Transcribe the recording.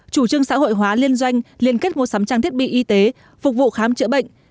chủ trương xã hội hóa liên doanh liên kết mua sắm trang thiết bị y tế phục vụ khám chữa bệnh